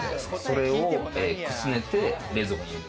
それを、くすねて冷蔵庫に入れる。